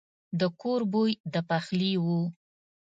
د کور بوی د پخلي وو.